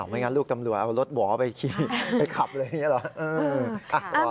ไม่งั้นลูกตำรวจเอารถหวอไปขี่ไปขับอะไรอย่างนี้เหรอ